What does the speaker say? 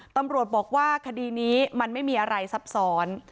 ตำรวจบอกว่าคดีนี้มันไม่มีอะไรซับซ้อน